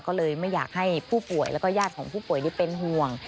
ก็เลยไม่อยากให้ผู้ป่วยแล้วก็ญาติของผู้ป่วยได้เป็นห่วง